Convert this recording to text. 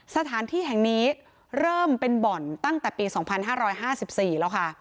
สถานที่แห่งนี้เริ่มเป็นบ่อนตั้งแต่ปีสองพันห้าร้อยห้าสิบสี่แล้วค่ะ